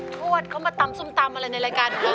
ทวดเขามาตำส้มตำอะไรในรายการนี้